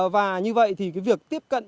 và như vậy thì việc tiếp cận